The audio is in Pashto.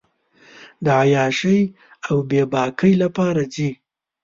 د عیاشۍ اوبېباکۍ لپاره ځي.